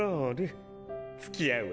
つきあうわよ。